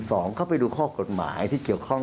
เข้าไปดูข้อกฎหมายที่เกี่ยวข้อง